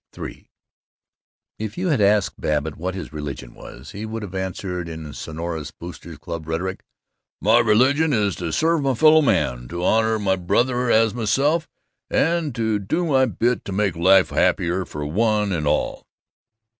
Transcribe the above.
III If you had asked Babbitt what his religion was, he would have answered in sonorous Boosters' Club rhetoric, "My religion is to serve my fellow men, to honor my brother as myself, and to do my bit to make life happier for one and all."